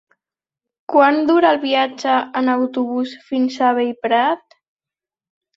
Quant dura el viatge en autobús fins a Bellprat?